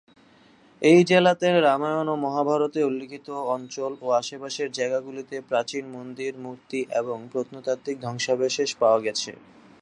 এই জেলাতে রামায়ণ ও মহাভারতে উল্লিখিত অঞ্চল ও আশেপাশের জায়গাগুলিতে প্রাচীন মন্দির, মূর্তি এবং প্রত্নতাত্ত্বিক ধ্বংসাবশেষ পাওয়া গেছে।